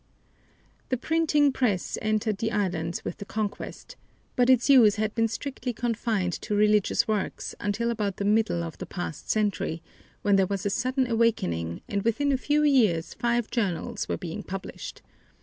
The printing press entered the islands with the conquest, but its use had been strictly confined to religious works until about the middle of the past century, when there was a sudden awakening and within a few years five journals were being published.